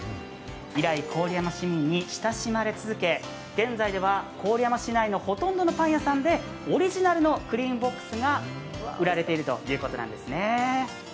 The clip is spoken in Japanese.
以来、郡山市民に親しまれ続け現在では、郡山市内のほとんどのパン屋さんでオリジナルのクリームボックスが売られているということなんです。